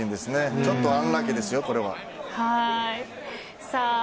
ちょっとアンラッキーですよさあ